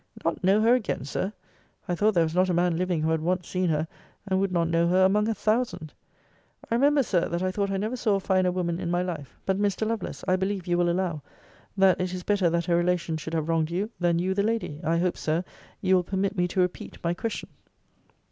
Not know her again, Sir! I thought there was not a man living who had once seen her, and would not know her among a thousand. I remember, Sir, that I thought I never saw a finer woman in my life. But, Mr. Lovelace, I believe, you will allow, that it is better that her relations should have wronged you, than you the lady, I hope, Sir, you will permit me to repeat my question.